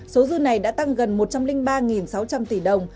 số dư này đã tăng gần một trăm linh ba sáu trăm linh tỷ đồng